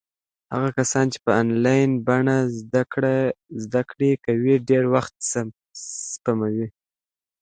هغه کسان چې په انلاین بڼه زده کړې کوي ډېر وخت سپموي.